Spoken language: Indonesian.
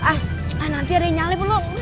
ah nanti raya nyale belum